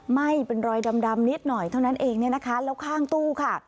ไหม้เป็นรอยดำนิดหน่อยเท่านั้นเองเนี่ยนะคะแล้วข้างตู้ค่ะ